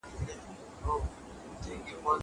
داصورت نه دی چي ښکاری